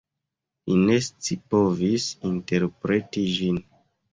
Li ne scipovis interpreti ĝin.